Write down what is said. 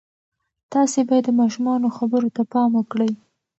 تاسې باید د ماشومانو خبرو ته پام وکړئ.